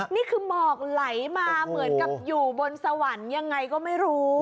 นี่คือหมอกไหลมาเหมือนกับอยู่บนสวรรค์ยังไงก็ไม่รู้